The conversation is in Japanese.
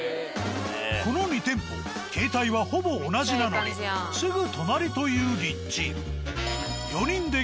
この２店舗形態はほぼ同じなのにすぐ隣という立地。